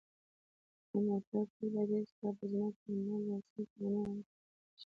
د موټر تېل باید هېڅکله په ځمکه، نل، یا سیند ته ونهتوېل ش